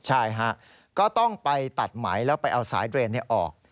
ใช่ฮะก็ต้องไปตัดไหมแล้วไปเอาสายเบรนด์ออก